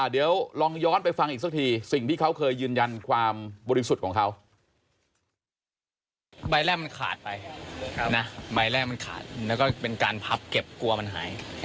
เดี๋ยวลองย้อนไปฟังอีกสักทีสิ่งที่เขาเคยยืนยันความบริสุทธิ์ของเขา